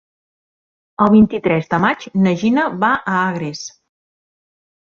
El vint-i-tres de maig na Gina va a Agres.